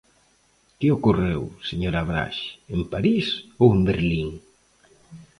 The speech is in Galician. ¿Que ocorreu, señora Braxe, en París ou en Berlín?